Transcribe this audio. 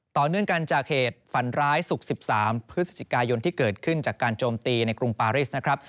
ต่อเนื่องกันจากเหตุฝันร้ายศุกร์๑๓พฤศจิกายนที่เกิดขึ้นจากการโจมตีในกรุงปาริสนะครับ